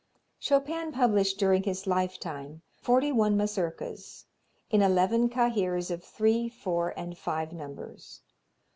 Chopin published during his lifetime forty one Mazurkas in eleven cahiers of three, four and five numbers.